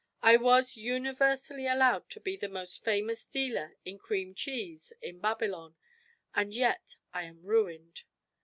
I was universally allowed to be the most famous dealer in cream cheese in Babylon, and yet I am ruined.